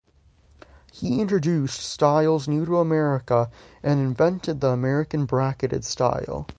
He introduced styles new to America and invented the American Bracketed style.